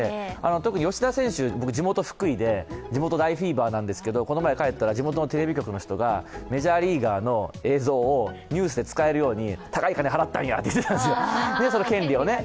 特に吉田選手、地元・福井で、地元大フィーバーなんですけど、この前帰ったら、地元のテレビ局の人たちがメジャーリーガーの映像をニュースで使えるように高い金を払ったんやと言っていた。